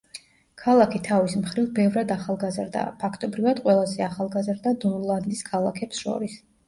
ქალაქი თავის მხრივ ბევრად ახალგაზრდაა, ფაქტობრივად ყველაზე ახალგაზრდა ნორლანდის ქალაქებს შორის.